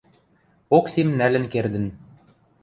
Оксим нӓлӹн кердӹн.